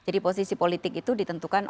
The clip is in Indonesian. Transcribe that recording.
jadi posisi politik itu ditentukan